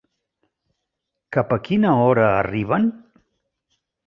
Cap a quina hora arriben?